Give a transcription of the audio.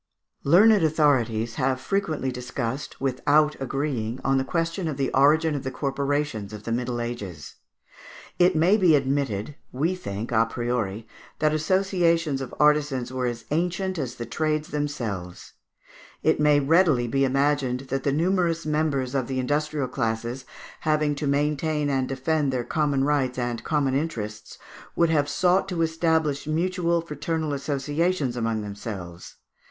Learned authorities have frequently discussed, without agreeing, on the question of the origin of the Corporations of the Middle Ages. It may be admitted, we think à priori, that associations of artisans were as ancient as the trades themselves. It may readily be imagined that the numerous members of the industrial classes, having to maintain and defend their common rights and common interests, would have sought to establish mutual fraternal associations among themselves.